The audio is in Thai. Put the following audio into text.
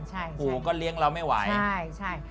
หูก็เลี้ยงเรามีไหว